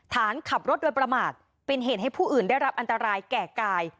ฐานขับรถโดยประมาทเป็นเหตุให้ผู้อื่นได้รับอันตรายแก่กาย